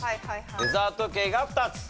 デザート系が２つ。